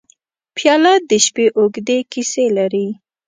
پیاله د شپې اوږدې کیسې لري.